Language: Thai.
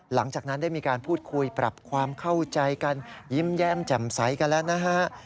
หลังจากนั้นได้มีการพูดคุยปรับความเข้าใจกันยิ้มแย้มแจ่มใสกันแล้วนะฮะ